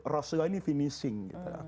rasulullah ini finishing